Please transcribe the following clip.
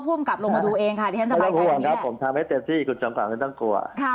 ผมก็ทำให้เต็มที่กุญจนกรรมไม่ต้องกลัว